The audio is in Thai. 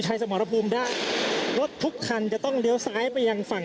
สมรภูมิได้รถทุกคันจะต้องเลี้ยวซ้ายไปยังฝั่ง